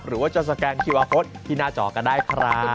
หรือว่าจะสแกนคิวอาร์ตที่หน้าจอก็ได้ครับ